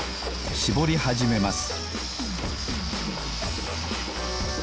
しぼりはじめます